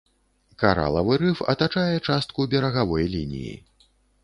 Каралавы рыф атачае частку берагавой лініі.